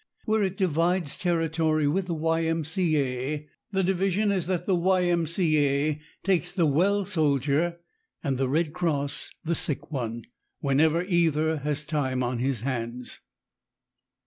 Where it divides territory with the Y. M. C. A., the division is that the Y. M. C. A. takes the well soldier and the Red Cross the sick one, whenever either has time on his hands.